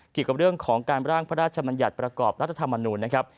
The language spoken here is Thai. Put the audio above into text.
เกี่ยวกับเรื่องของการร่างพระราชมัญญัติประกอบรัฐธรรมนูญนะครับ